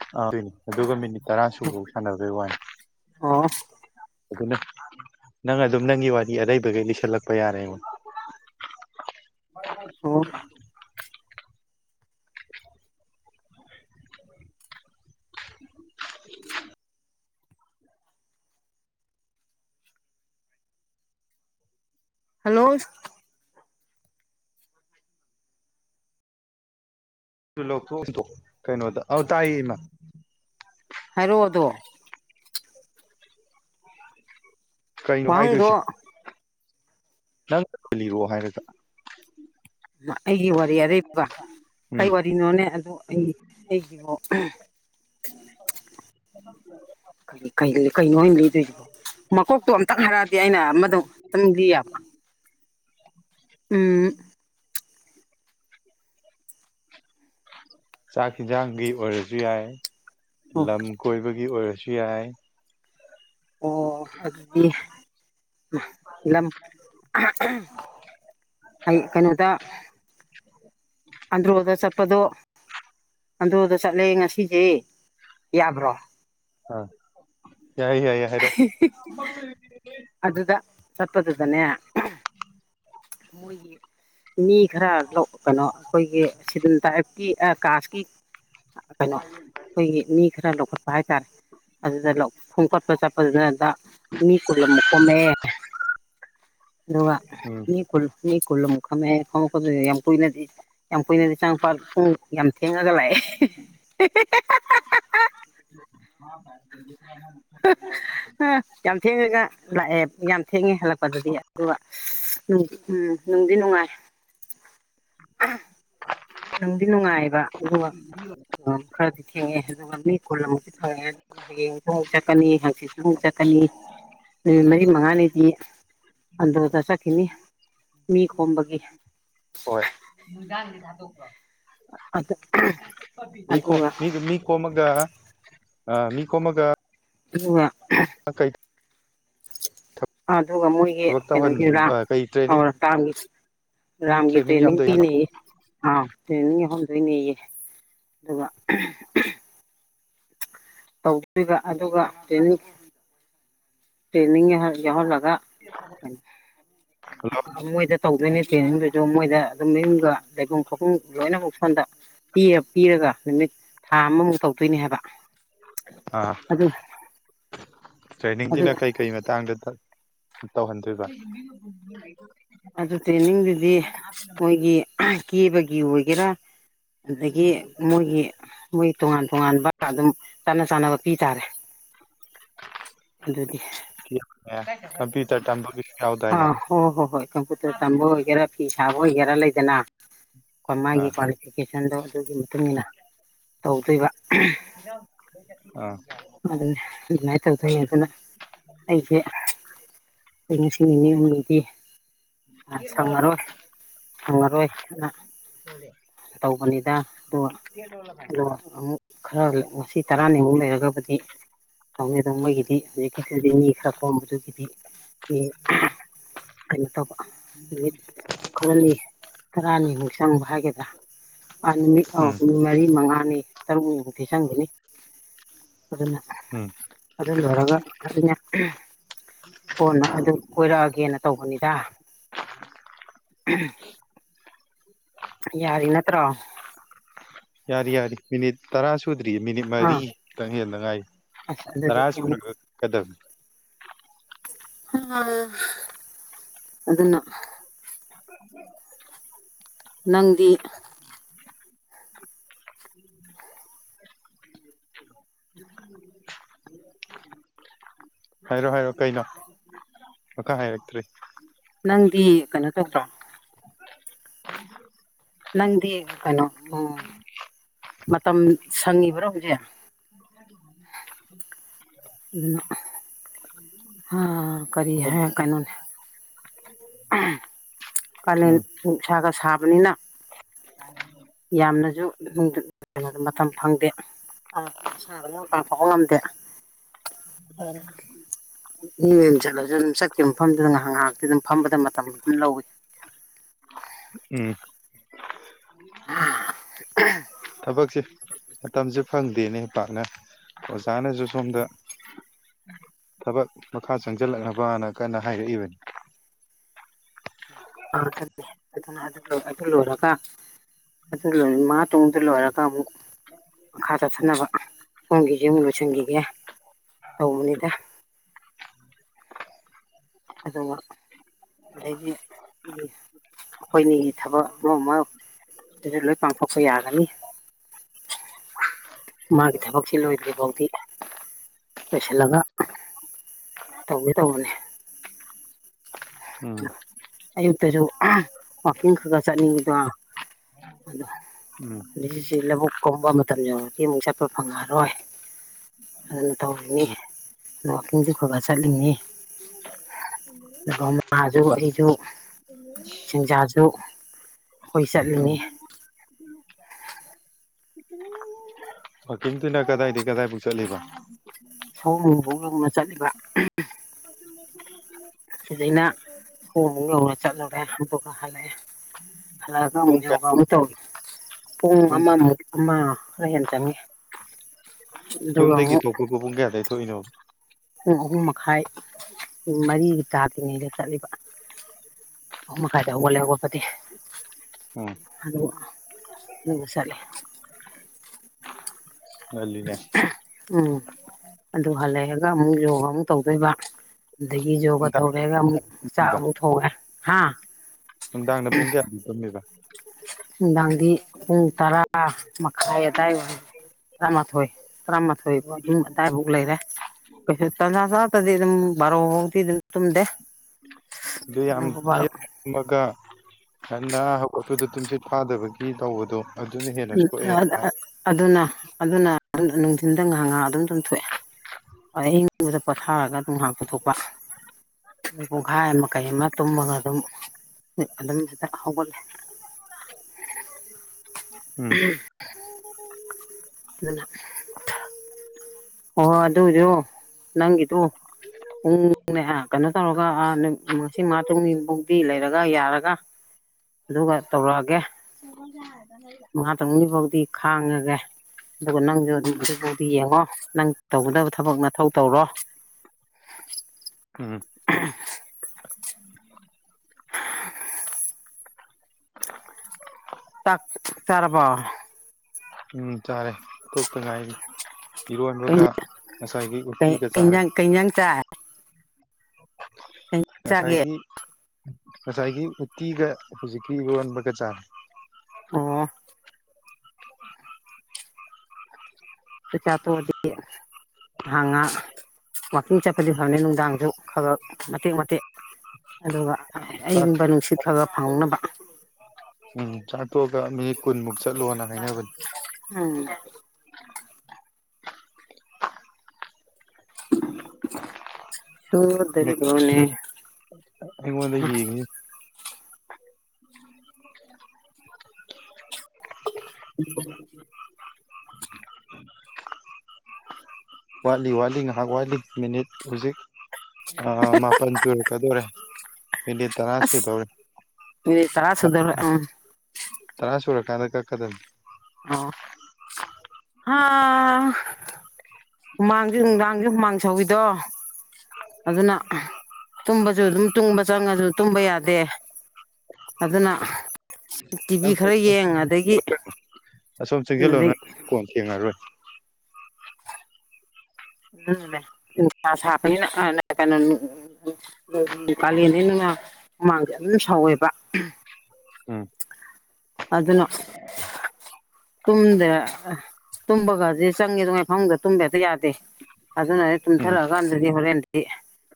[unintelligible] ꯑꯗꯨꯒ ꯃꯤꯅꯤꯠ ꯇꯔꯥꯥꯁꯨꯕꯧ ꯁꯥꯟꯅꯕꯩ ꯋꯥꯅꯤ ꯑꯣ ꯑꯗꯨꯅꯦ ꯅꯪ ꯑꯗꯨꯝ ꯅꯪꯒꯤ ꯋꯥꯔꯤ ꯑꯔꯩꯕꯒꯩ ꯂꯤꯁꯜꯂꯛꯄ ꯌꯥꯔꯦ [inaudible] ꯑꯣ [inaudible] [inaudible] ꯍꯜꯂꯣ [unintelligible] ꯀꯩꯅꯣꯗ ꯑꯧ ꯇꯥꯏꯌꯦ ꯏꯃꯥ ꯍꯥꯏꯔꯣꯗꯣ ꯀꯩꯅꯣ ꯋꯥꯍꯪꯗꯣ ꯍꯥꯏꯗꯣꯏꯁꯦ ꯅꯪ [unintelligible] ꯂꯤꯔꯣ ꯍꯥꯏꯔꯒ ꯑꯩꯒꯤ ꯋꯥꯔꯤ ꯑꯔꯩꯕ ꯀꯩ ꯎꯝ ꯋꯥꯔꯤꯅꯣꯅꯦ ꯑꯗꯣ ꯑꯩ ꯑꯩꯒꯤꯕꯣ [unintelligible] ꯀꯩ ꯀꯩꯅꯣ ꯑꯩ ꯂꯤꯗꯣꯏꯖꯤꯕꯣ ꯃꯀꯣꯛꯇꯣ ꯑꯝꯇꯪ ꯍꯥꯏꯔꯛꯑꯗꯤ ꯑꯩꯅ ꯑꯃꯗꯣ ꯑꯝꯇꯪ ꯂꯤꯌꯥꯕ ꯎꯝ [unintelligible] ꯆꯥꯛ ꯍꯤꯟꯖꯥꯡꯒꯤ ꯑꯣꯏꯔꯁꯨ ꯌꯥꯏ ꯑꯣ ꯂꯝ ꯀꯣꯏꯕꯒꯤ ꯑꯣꯏꯔꯁꯨ ꯌꯥꯏ ꯑꯣ ꯑꯗꯨꯗꯤ [unintelligible] ꯂꯝ ꯑꯩ ꯀꯩꯅꯣꯗ ꯑꯟꯗ꯭ꯔꯣꯗ ꯆꯠꯄꯗꯣ ꯑꯟꯗ꯭ꯔꯣꯗ ꯆꯠꯂꯦ ꯉꯁꯤꯖꯦ ꯌꯥꯕ꯭ꯔꯣ ꯍꯥ ꯌꯥꯏꯌꯦ ꯌꯥꯏꯌꯦ ꯍꯥꯏꯔꯛꯑꯣ ꯑꯗꯨꯗ ꯆꯠꯄ ꯗꯨꯗꯅꯦ ꯃꯣꯏꯒꯤ ꯃꯤ ꯈꯔꯥ ꯀꯩꯅꯣ ꯑꯩꯈꯣꯏꯒꯤ ꯁꯦꯗꯨꯜ ꯇꯥꯏꯞꯀꯤ ꯀꯥꯁꯀꯤ ꯀꯩꯅꯣ ꯑꯩꯈꯣꯏꯒꯤ ꯃꯤ ꯈꯔ ꯂꯧꯈꯠꯄ ꯍꯥꯏꯇꯥꯔꯦ ꯑꯗꯨꯗ ꯂꯧ ꯈꯣꯝꯀꯠꯄ ꯆꯠꯄꯗꯨꯗ ꯗ ꯃꯤ ꯀꯨꯟ ꯑꯃꯨꯛ ꯈꯣꯝꯃꯛꯑꯦ ꯑꯗꯨꯒ ꯎꯝ ꯃꯤ ꯀꯨꯜ ꯃꯤ ꯀꯜꯂꯨ ꯑꯃꯨꯛ [unintelligible] ꯌꯥꯝ ꯀꯨꯏꯅꯗꯤ ꯌꯥꯝ ꯀꯨꯏꯅꯗꯤ ꯆꯥꯡꯄꯥꯠ ꯄꯨꯡ ꯌꯥꯝ ꯊꯦꯡꯉꯒ ꯂꯥꯛꯑꯦ [inaudible] ꯌꯥꯝ ꯊꯦꯡꯉꯒ ꯂꯥꯛꯑꯦ ꯌꯥꯝ ꯊꯦꯡꯉꯦ ꯍꯜꯂꯛꯄꯗꯗꯤ ꯑꯗꯨꯒ [unintelligible] ꯎꯝ ꯅꯨꯡꯗꯤ ꯅꯨꯡꯉꯥꯏ [inaudible] ꯅꯨꯡꯗꯤ ꯅꯨꯡꯉꯥꯏꯕ ꯑꯗꯨꯒ ꯑꯥ ꯈꯔꯗꯤ ꯊꯦꯡꯉꯑꯦ ꯑꯗꯨꯒ ꯃꯤ ꯀꯨꯜꯑꯃꯨꯛꯇꯤ ꯐꯪꯉꯛꯑꯦ ꯑꯗꯨꯒ ꯍꯌꯦꯡꯁꯨ ꯑꯃꯨꯛ ꯆꯠ ꯆꯠꯀꯅꯤ ꯍꯥꯡꯆꯤꯠꯁꯨ ꯑꯃꯨꯛ ꯆꯠꯀꯅꯤ ꯅꯨꯃꯤꯠ ꯃꯔꯤ ꯃꯉꯥꯅꯤꯗꯤ ꯑꯟꯗ꯭ꯔꯣꯗ ꯆꯠꯈꯤꯅꯤ ꯃꯤ ꯈꯣꯝꯕꯒꯤ ꯍꯣꯏ ꯑꯗꯨ ꯃꯤꯈꯣꯝ ꯑꯗꯨꯒ ꯃꯤꯗꯣ ꯃꯤ ꯈꯣꯝꯃꯒ ꯑ ꯃꯤ ꯈꯣꯝꯃꯒ ꯑꯗꯨꯒ ꯑ ꯀꯩ ꯑꯗꯨꯒ ꯃꯣꯏꯒꯤ ꯊꯕꯛ ꯇꯧꯍꯟ ꯀꯩꯅꯣꯒꯤ ꯔꯥ ꯑꯥ ꯀꯩ ꯇ꯭ꯔꯦꯅꯤꯡꯒꯤ ꯑꯧꯔꯇꯥꯥꯡꯒꯤ [unintelligible] ꯔꯥꯝꯒꯤ ꯇ꯭ꯔꯦꯅꯤꯡ ꯌꯥꯝ ꯇꯦꯅꯤꯡ ꯇꯧꯋꯤ ꯍꯥꯏꯕ ꯄꯤꯅꯦꯌꯦ ꯑꯥꯎ ꯇ꯭ꯔꯦꯅꯤꯡ ꯌꯥꯎꯍꯟꯗꯣꯏꯅꯦꯌꯦ ꯑꯗꯨꯒ ꯇꯧꯗꯣꯏꯕ ꯑꯗꯨꯒ ꯇ꯭ꯔꯦꯅꯤꯡ ꯇ꯭ꯔꯦꯅꯤꯡ ꯌꯥꯎ ꯌꯥꯎꯍꯜꯂꯒ ꯍꯜꯂꯣ ꯃꯣꯏꯗ ꯇꯧꯗꯣꯏꯅꯦ ꯇ꯭ꯔꯦꯅꯤꯡꯗꯨꯁꯨ ꯃꯣꯏꯗ ꯑꯗꯨꯝ ꯃꯌꯨꯝꯒ ꯂꯩꯐꯝ ꯈꯣꯐꯝ ꯂꯣꯏꯅꯃꯛ ꯁꯣꯟꯗ ꯄꯤꯌꯥ ꯄꯤꯔꯒ ꯅꯨꯃꯤꯠ ꯊꯥ ꯑꯃꯃꯨꯛ ꯇꯧꯗꯣꯏꯅꯦ ꯍꯥꯏꯕ ꯑꯥ ꯑꯗꯨ ꯑꯗꯨ ꯇ꯭ꯔꯦꯅꯤꯡꯖꯤꯅ ꯀꯩꯀꯩ ꯃꯇꯥꯡꯗ ꯇꯧꯍꯟꯗꯣꯏꯕ ꯑꯗꯨ ꯇ꯭ꯔꯦꯅꯤꯡꯗꯨꯗꯤ ꯃꯣꯏꯒꯤ ꯀꯦꯕꯒꯤ ꯑꯣꯏꯒꯦꯔꯥ ꯑꯗꯒꯤ ꯃꯣꯏꯒꯤ ꯃꯣꯏ ꯇꯣꯉꯥꯟ ꯇꯣꯉꯥꯟꯕ ꯑꯗꯨꯝ ꯆꯥꯅ ꯆꯥꯅꯕ ꯄꯤ ꯇꯥꯔꯦ ꯑꯗꯨꯒꯤ ꯀꯝꯄ꯭ꯌꯨꯇꯔ ꯇꯝꯕꯒꯤꯁꯨ ꯌꯥꯎꯗꯥꯏꯅꯦ ꯑꯥ ꯍꯣꯏ ꯍꯣꯏ ꯍꯣꯏ ꯀꯝꯄꯨꯇꯔ ꯇꯝꯕ ꯑꯣꯏꯒꯦꯔꯥ ꯐꯤ ꯁꯥꯕ ꯑꯣꯏꯒꯦꯔꯥ ꯂꯩꯗꯅ ꯀꯣ ꯃꯥꯒꯤ ꯑꯥ ꯀ꯭ꯋꯥ ꯐꯤꯀꯦꯁꯟꯗꯣ ꯑꯗꯨꯒꯤ ꯃꯇꯨꯡꯏꯟꯅ ꯇꯧꯗꯣꯏꯕ ꯌꯥꯥꯎ ꯑꯥ ꯑꯗꯨꯅꯦ ꯑꯗꯨꯃꯥꯏ ꯇꯧꯗꯣꯏꯅ ꯑꯩꯗꯨꯅ ꯑꯩꯁꯦ ꯑꯩ ꯉꯁꯤ ꯅꯤꯅꯤ ꯍꯨꯝꯅꯤꯗꯤ ꯒꯦꯠ ꯂꯣꯜꯂꯕꯣ ꯁꯪꯉꯔꯣꯏ ꯁꯪꯉꯔꯣꯏꯅ ꯇꯧꯕꯅꯤꯗ ꯑꯗꯨꯒ ꯑꯗꯨꯒ ꯑꯃꯨꯛ ꯈꯔ ꯉꯁꯤ ꯇꯔꯥꯅꯤꯃꯨꯛ ꯂꯩꯔꯒꯕꯨꯗꯤ ꯇꯧꯅꯤ ꯑꯗꯣ ꯃꯣꯢꯒꯤꯗꯤ ꯍꯧꯖꯤꯛ ꯃꯤ ꯈꯔ ꯀꯣꯝꯕꯗꯨꯒꯤꯗꯤ ꯃꯤ ꯀꯩꯅꯣ ꯇꯧꯕ ꯅꯨꯃꯤꯠ ꯈꯔꯅꯤ ꯇꯔꯥꯅꯤꯃꯨꯛ ꯆꯪꯕ ꯍꯥꯏꯒꯗ꯭ꯔꯥ ꯑ ꯅꯨꯃꯤꯠ ꯑꯧ ꯎꯝ ꯅꯨꯃꯤꯠ ꯃꯔꯤ ꯃꯉꯥꯅꯤ ꯇꯔꯨꯛꯅꯤꯃꯨꯛꯇꯤ ꯆꯪꯒꯤꯅꯤ ꯑꯗꯨꯅ ꯎꯝ ꯑꯗꯨ ꯂꯣꯏꯔꯒ ꯑꯗꯨꯅ ꯀꯣꯟꯅ ꯑꯗꯨ ꯑꯣꯏꯔꯛꯑꯒꯦꯅ ꯇꯧꯕꯅꯤꯗ ꯌꯥꯔꯤ ꯅꯠꯇ꯭ꯔꯣ ꯌꯥꯔ ꯌꯥꯔ ꯃꯤꯅꯤꯠ ꯇꯔꯥꯥꯁꯨ ꯁꯨꯗ꯭ꯔꯤ ꯃꯤꯅꯤꯠ ꯃꯔꯤ ꯑꯥ ꯈꯤꯇꯪ ꯍꯦꯟꯗ ꯉꯥꯏꯔꯤ ꯑꯁ ꯑꯗꯨꯗꯤ ꯇꯔꯥ ꯌꯥꯝ ꯁꯨꯔꯒ ꯀꯛꯀꯗꯕꯅꯦ ꯑ ꯑꯗꯨꯅ [unintelligible] ꯅꯪꯗꯤ [unintelligible] ꯍꯥꯏꯔꯣ ꯍꯥꯏꯔꯣ ꯀꯩꯅꯣ ꯃꯈꯥ ꯍꯥꯏꯔꯛꯇ꯭ꯔꯤ ꯅꯪꯗꯤ ꯀꯩꯅꯣ ꯇꯧꯗ꯭ꯔꯣ ꯅꯪꯗꯤ ꯀꯩꯅꯣꯝ ꯃꯇꯝ ꯁꯪꯉꯤꯕ꯭ꯔꯣ ꯍꯧꯖꯤꯛ [unintelligible] ꯑꯗꯨꯅꯦ ꯀꯔꯤ ꯍꯥꯏ ꯀꯩꯅꯣ ꯀꯥꯂꯦꯟ ꯎꯝ ꯅꯨꯡꯁꯥꯒ ꯁꯥꯕꯅꯤꯅ [unintelligible] ꯌꯥꯝꯅꯁꯨ [unintelligible] ꯃꯇꯝ ꯐꯪꯗꯦ ꯇꯥꯛꯄꯕꯧ ꯉꯝꯗꯦ ꯃꯤ ꯃꯌꯨꯝ ꯆꯠꯂꯁꯨ ꯑꯗꯨꯝ ꯆꯠꯀꯤꯕ ꯃꯐꯝꯗꯨꯗ ꯉꯥꯏꯍꯛ ꯉꯥꯏꯍꯥꯛꯇꯤ ꯑꯗꯨꯝ ꯐꯝꯕꯗ ꯃꯇꯝ ꯑꯗꯨꯝ ꯂꯧꯏ ꯎꯝ [unintelligible] ꯊꯕꯛꯁꯦ ꯃꯇꯝꯁꯦ ꯐꯪꯗꯦꯅꯦ ꯄꯥꯛꯅ ꯑꯣꯖꯥꯅꯁꯨ ꯁꯣꯝꯗ ꯊꯕꯛ ꯃꯈꯥ ꯆꯪꯁꯤꯜꯂꯛꯅꯕꯅ ꯀꯟꯅ ꯍꯥꯏꯔꯛꯏꯕꯅꯦ ꯑꯗꯨ ꯂꯣꯏꯔꯒ ꯑꯗꯨ ꯂꯣꯢꯔꯒ ꯅꯨꯃꯔꯠ ꯃꯉꯥ ꯇꯥꯔꯨꯛꯅꯤꯗ ꯂꯣꯏꯔꯒ ꯑꯃꯨꯛ ꯃꯈꯥ ꯆꯠꯊꯅꯕ ꯅꯪꯒꯤꯁꯨ ꯑꯃꯨꯛ ꯂꯣꯏꯁꯤꯟꯈꯤꯒꯦ ꯇꯧꯕꯅꯤꯗ ꯑꯗꯨꯒ ꯑꯗꯥꯒꯤ ꯑꯩꯈꯣꯏ ꯅꯤꯒꯤ ꯊꯕꯛ ꯑꯗꯨ ꯑꯃꯨꯛ ꯑꯗꯨꯗꯤ ꯂꯣꯏ ꯄꯥꯡꯊꯣꯛꯄ ꯌꯥꯒꯅꯤ ꯃꯥꯒꯤ ꯊꯕꯛꯁꯤ ꯂꯣꯏꯗ꯭ꯔꯤ ꯐꯥꯎꯗꯤ ꯂꯣꯏꯁꯤꯜꯂꯒ ꯇꯧꯒꯦ ꯇꯧꯕꯅꯤ ꯎꯝ ꯑꯌꯨꯛꯇꯁꯨ ꯋꯥꯀꯤꯡ ꯈꯔ ꯈꯔ ꯆꯠꯅꯤꯡꯉꯤꯗꯣ ꯎꯝ ꯑꯁꯤ ꯂꯧꯕꯨꯛ ꯀꯨꯝꯕ ꯃꯇꯝ ꯌꯧꯔꯗꯤ ꯑꯃꯨꯛ ꯆꯠꯄ ꯐꯪꯉꯛꯑꯔꯣꯏ ꯑꯗꯨꯅ ꯇꯧꯔꯤꯅꯤ ꯎꯝ ꯋꯥꯛꯀꯤꯡꯁꯨ ꯈꯔ ꯈꯋ ꯆꯠꯂꯤꯅꯤ [unintelligible] ꯉꯥꯁꯨ ꯑꯩꯁꯨ ꯆꯦꯟꯖꯥꯁꯨ ꯑꯩꯈꯣꯏ ꯆꯠꯂꯤꯅꯤ ꯎꯝ [unintelligible] ꯋꯥꯛꯀꯤꯡꯗꯨꯅ ꯀꯗꯥꯏꯗꯩꯩ ꯀꯗꯥꯏꯐꯥꯎ ꯆꯠꯂꯤꯕ ꯁꯧꯋꯨꯝꯕꯨꯡ ꯌꯧꯅ ꯆꯠꯂꯤꯕ [unintelligible] ꯁꯤꯗꯩꯅ ꯁꯧꯋꯨꯝꯕꯨꯡ ꯌꯧꯅ ꯆꯠꯂꯨꯔꯦ ꯑꯗꯨꯒ ꯍꯜꯂꯛꯑꯦ ꯍꯜꯅꯂꯛꯑꯒ ꯑꯃꯨꯛ ꯄꯨꯡ ꯀꯌꯥ ꯌꯣꯒꯥ ꯑꯃꯨꯛ ꯇꯧꯔꯦ ꯄꯨꯡ ꯑꯃꯃꯨꯛ ꯑꯃ ꯈꯔ ꯍꯦꯟꯅ ꯆꯪꯉꯦ ꯌꯨꯝꯗꯒꯤ ꯊꯣꯛꯄꯗꯨ ꯄꯨꯡ ꯀꯌꯥꯗꯩꯩ ꯊꯣꯛꯏꯅꯣꯕ ꯄꯨꯡ ꯑꯍꯨꯝ ꯃꯈꯥꯏ ꯄꯨꯡ ꯃꯔꯤ ꯇꯥꯗ꯭ꯔꯤꯉꯩꯗ ꯆꯠꯂꯤꯕ ꯑꯍꯨꯝ ꯃꯈꯥꯢꯗ ꯍꯧꯒꯠꯂꯦ ꯍꯧꯒꯠꯄꯗꯤ ꯎꯝ ꯑꯗꯨ ꯑꯗꯨꯒ ꯆꯠꯂꯦ ꯉꯜꯂꯤꯅꯦ ꯎꯝ ꯑꯗꯨ ꯍꯜꯂꯛꯑꯒ ꯑꯃꯨꯛ ꯌꯣꯒ ꯑꯃꯨꯛ ꯇꯧꯗꯣꯏꯕ ꯑꯗꯒꯤ ꯌꯣꯒ ꯄꯨꯡ ꯇꯔꯥ ꯇꯧꯔꯦ ꯑꯃꯨꯛ ꯆꯥꯛ ꯑꯃꯨꯛ ꯊꯣꯡꯉꯦ ꯍꯥ ꯅꯨꯡꯗꯥꯡꯅ ꯄꯨꯡ ꯀꯌꯥꯗ ꯇꯨꯝꯃꯤꯕ ꯅꯨꯡꯗꯥꯡꯗꯤ ꯄꯨꯡ ꯇꯔꯥ ꯃꯈꯥꯏ ꯑꯗꯥꯏꯋꯥꯢ ꯐꯥꯎ ꯇꯔꯥꯃꯥꯊꯣꯏ ꯇꯔꯥꯃꯥꯊꯣꯏ ꯑꯗꯨꯝ ꯑꯗꯥꯏ ꯐꯥꯎ ꯂꯩꯔꯦ ꯀꯩꯁꯨ ꯇꯟꯖꯥ ꯆꯥꯔꯗꯤ ꯑꯗꯨꯝ ꯕꯥꯔꯣ ꯐꯥꯎꯗꯤ ꯑꯗꯨꯝ ꯇꯨꯝꯗꯦ ꯑꯗꯨ ꯌꯥꯝ ꯕꯥꯔꯣ ꯊꯦꯡ ꯇꯨꯝꯃꯒ ꯉꯟꯅ ꯍꯧꯒꯠꯄꯗꯨ ꯇꯨꯝꯁꯤꯠ ꯐꯥꯗꯕꯒꯤ ꯇꯧꯕꯗꯨ ꯑꯗꯨꯅ ꯍꯦꯟꯅ ꯁꯣꯛꯑꯦ ꯍꯥꯏ ꯑꯗꯨꯅ ꯑꯗꯨꯅ ꯅꯨꯡꯊꯤꯟꯗ ꯉꯥꯏꯍꯥꯛ ꯉꯥꯛ ꯑꯗꯨꯝ ꯇꯨꯝꯊꯣꯛꯑꯦ ꯑꯌꯤꯡꯕꯗ ꯄꯣꯊꯥꯔꯒ ꯑꯗꯨꯝ ꯉꯥꯏꯍꯥꯛ ꯇꯨꯝꯊꯣꯛꯄ ꯄꯨꯡꯈꯥꯏ ꯑꯃ ꯀꯩ ꯑꯃ ꯇꯨꯝꯃꯒ ꯑꯗꯨꯝ ꯑꯗꯨꯝ ꯁꯤꯗ ꯍꯧꯒꯠꯂꯦ ꯎꯝ ꯑꯗꯨꯅ ꯍꯣꯏ ꯑꯗꯨ ꯑꯣꯏꯖꯨ ꯅꯪꯒꯤꯗꯨ ꯄꯨꯡꯅꯦ ꯀꯩꯅꯣ ꯇꯧꯔꯒ ꯉꯁꯤ ꯃꯉꯥ ꯇꯔꯨꯛꯅꯤꯐꯥꯎꯗꯤ ꯂꯩꯔꯒ ꯌꯥꯔꯒ ꯑꯗꯨꯒ ꯇꯧꯔꯛꯑꯒꯦ ꯃꯉꯥ ꯇꯔꯨꯛꯅꯤꯐꯥꯎꯗꯤ ꯈꯥꯡꯉꯒꯦ ꯑꯗꯨꯒ ꯅꯪꯁꯨ ꯑꯗꯨꯝ ꯍꯧꯖꯤꯛꯐꯥꯎꯗꯤ ꯌꯦꯡꯉꯣ ꯅꯪ ꯇꯧꯒꯗꯕ ꯊꯕꯛ ꯅꯊꯧ ꯇꯧꯔꯣ ꯎꯝ [inaudible] ꯆꯥꯛ ꯆꯥꯔꯕꯣ ꯎꯝ ꯆꯥꯔꯦ ꯇꯣꯛꯇ ꯉꯥꯏꯔꯤ ꯏꯔꯣꯟꯕꯒ ꯉꯁꯥꯏꯒꯤ ꯀꯩ ꯎꯠꯇꯤꯒ ꯀꯩ ꯆꯥꯔꯦ ꯏꯟꯖꯥꯡ ꯀꯩ ꯏꯟꯖꯥꯡ ꯆꯥꯏ [unintelligible] ꯉꯁꯥꯏꯒꯤ ꯉꯁꯥꯏꯒꯤ ꯎꯇꯤꯒ ꯍꯧꯖꯤꯛꯀꯤ ꯏꯔꯣꯟꯕꯒ ꯆꯥꯔꯦ ꯑꯣ ꯆꯛꯆꯥꯇꯣꯛꯑꯗꯤ ꯉꯍꯥꯛꯉꯍꯥꯛ ꯋꯥꯛꯀꯤꯡ ꯆꯠꯄꯗꯤ ꯐꯕꯅꯤ ꯅꯨꯡꯗꯥꯡꯁꯨ ꯈꯕꯛ ꯃꯇꯦꯛ ꯃꯇꯦꯛ ꯑꯗꯨꯒ ꯆꯥꯛ ꯑꯩꯒꯨꯝꯕ ꯅꯨꯡꯁꯤꯠ ꯈꯒ ꯐꯪꯅꯕ ꯎꯝ ꯆꯥꯇꯣꯛꯑꯒ ꯃꯤ ꯅꯤꯠ ꯀꯨꯟꯃꯨꯛ ꯆꯠꯂꯣꯅ ꯍꯥꯏꯅꯕꯅꯤ ꯎꯝ ꯁꯨ ꯗꯔꯤꯕꯣꯅꯦ ꯑꯩꯉꯣꯟꯗ ꯌꯦꯉꯤ [unintelligible] ꯋꯥꯠꯂꯤ ꯋꯥꯠꯂꯤ ꯉꯥꯏꯍꯥꯛ ꯋꯥꯠꯂꯤ ꯃꯤꯅꯤꯠ ꯍꯧꯖꯤꯛ ꯑ ꯃꯥꯄꯜ ꯁꯨ ꯀꯗꯧꯔꯦ ꯃꯤꯅꯤꯠ ꯇꯔꯥ ꯑꯁ ꯁꯨꯗꯧꯔꯦ ꯃꯤꯅꯤꯠ ꯇꯔꯥ ꯁꯨꯗꯣꯔꯦ ꯑꯥ ꯇꯔꯥ ꯁꯨꯔꯀꯥꯟꯗ ꯀꯛꯀꯗꯕꯅꯤ ꯑꯣ ꯍꯥ ꯍꯨꯃꯥꯡꯁꯦ ꯅꯨꯡꯗꯥꯡꯁꯦ ꯍꯨꯃꯥꯡ ꯁꯧꯋꯤꯗꯣ ꯑꯗꯨꯅ ꯇꯨꯝꯕꯁꯨ ꯑꯗꯨꯝ ꯇꯨꯝꯕ ꯆꯪꯉꯁꯨ ꯇꯨꯝꯕ ꯌꯥꯗꯦ ꯑꯗꯨꯅ ꯇꯤꯚꯤ ꯅꯪ ꯈꯔ ꯌꯦꯡ ꯑꯗꯒꯤ ꯑꯁꯣꯝ ꯆꯤꯡꯁꯤꯜꯂꯣꯅ ꯑꯗꯩ ꯀꯣꯟ ꯊꯦꯡꯉꯔꯣꯏ ꯎꯝ ꯅꯨꯡꯁ ꯁꯥꯕꯅꯤꯅ ꯀꯩꯅꯣ ꯀꯥꯂꯦꯟꯅꯤ ꯅꯪꯅ ꯍꯨꯃꯥꯡꯁꯦ ꯑꯗꯨꯝ ꯁꯥꯎꯋꯦꯕ ꯎꯝ ꯑꯗꯨꯅ ꯇꯨꯝꯗꯦ ꯇꯨꯝꯕꯒꯗꯤ ꯆꯪꯉꯦꯗꯨꯉꯥꯏ ꯐꯃꯨꯡꯗ ꯇꯨꯝꯕꯍꯦꯛꯇ ꯌꯥꯗꯦ ꯑꯗꯨ ꯅꯍꯦꯛ ꯎꯝ ꯇꯨꯝꯊꯔ ꯀꯥꯟꯗꯗꯤꯍꯣꯔꯦꯟ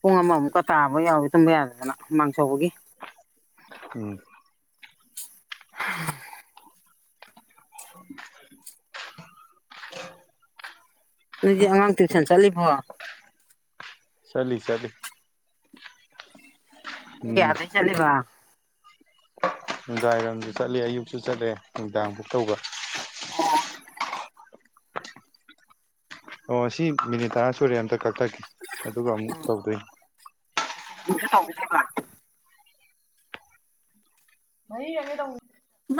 ꯄꯨꯡ ꯑꯃꯃꯨꯛꯀ ꯇꯥꯕ ꯌꯥꯎꯋꯤ ꯇꯨꯝꯕ ꯌꯥꯗꯗꯅ ꯃꯥꯡꯆꯧꯕꯒꯤ ꯎꯝ [unintelligible] [unintelligible] ꯅꯣꯏꯗꯤ ꯑꯉꯥꯡ ꯇ꯭ꯨꯁꯟ ꯆꯠꯂꯤꯕꯣ ꯆꯠꯂꯤ ꯆꯠꯂꯤ ꯄꯨꯡ ꯎꯝ ꯀꯌꯥꯗꯩ ꯆꯠꯂꯤꯕ ꯅꯨꯡꯗꯥꯡꯏꯔꯝꯗ ꯆꯠꯂꯦ ꯑꯌꯨꯛꯁꯨ ꯆꯠꯂꯦ ꯅꯨꯡꯗꯥꯡꯕꯨꯛ ꯇꯧꯕ ꯑꯣ ꯑꯣ ꯁꯤ ꯃꯤꯅꯤꯠ ꯇꯔꯥ ꯁꯨꯔꯦ ꯑꯝꯇ ꯀꯛꯈ꯭ꯔꯒꯦ ꯑꯗꯨꯒ ꯑꯃꯨꯛ ꯇꯧꯗꯣꯏꯅꯤ [unintelligible] ꯃꯔꯤꯔꯛꯅꯦ ꯇꯧ